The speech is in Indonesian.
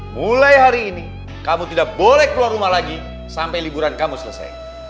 mulai hari ini kamu tidak boleh keluar rumah lagi sampai liburan kamu selesai